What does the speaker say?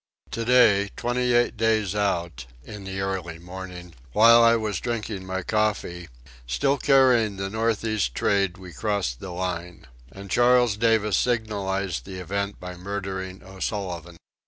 To day, twenty eight days out, in the early morning, while I was drinking my coffee, still carrying the north east trade, we crossed the line. And Charles Davis signalized the event by murdering O'Sullivan.